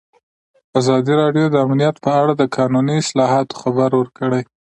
ازادي راډیو د امنیت په اړه د قانوني اصلاحاتو خبر ورکړی.